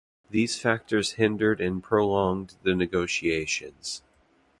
These factors hindered and prolonged the negotiations.